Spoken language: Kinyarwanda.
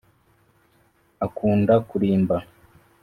akunda kurimba